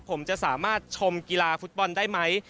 ผมจะสามารถชมกีฬาฟุตบอลได้ไหม